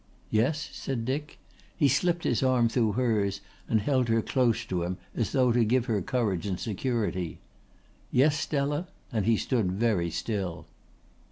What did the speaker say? "Yes?" said Dick. He slipped his arm through hers and held her close to him, as though to give her courage and security. "Yes, Stella?" and he stood very still.